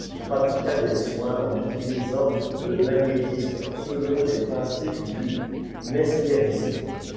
Il pratiqua des soins en utilisant le magnétisme, selon les principes du mesmérisme.